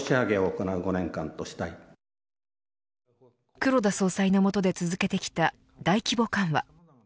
黒田総裁の下で続けてきた大規模緩和。